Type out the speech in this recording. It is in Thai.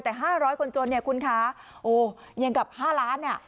แต่๕๐๐คนจนนี่คุณค้าโอ้เงินกับ๕ล้านเนี่ย